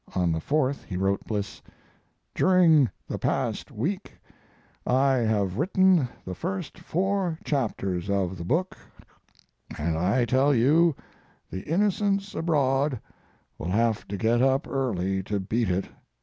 On the 4th he wrote Bliss: During the past week I have written the first four chapters of the book, and I tell you 'The Innocents Abroad' will have to get up early to beat it.